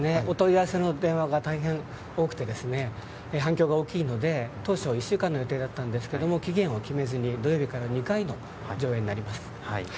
お問い合わせの電話が大変多くて反響が大きいので当初１週間の予定だったんですが期限を決めずに土曜日から２回の上映になります。